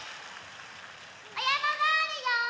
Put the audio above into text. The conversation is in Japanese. おやまがあるよ！